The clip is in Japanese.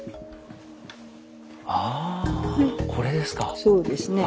ああこれですか。